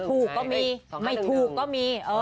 ก็มีไม่ถูกก็มี